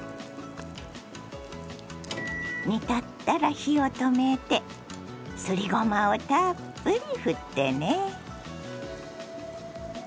煮立ったら火を止めてすりごまをたっぷりふってね。